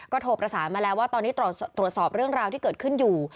โทรประสานมาแล้วว่าตอนนี้ตรวจสอบเรื่องราวที่เกิดขึ้นอยู่